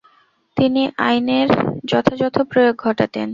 তিনি আইনের যথাযথ প্রয়োগ ঘটাতেন।